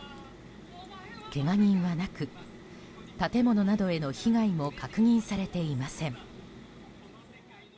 けが人はなく建物などへの被害も確認されていません。